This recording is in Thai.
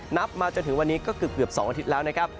นับมาจนถึงวันนี้ก็เกือบ๒อาทิตย์แล้วนะครับ